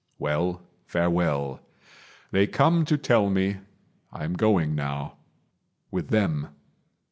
Well, farewell. They come to tell me I am going now With them.